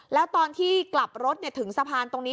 แล้วตอนที่กลับรถถึงสะพานตรงนี้